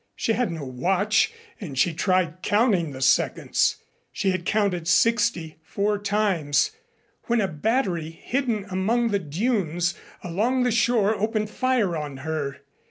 She had no watch and she tried counting the seconds. She had counted sixty four times when a battery hidden among the dunes along the shore opened fire on her.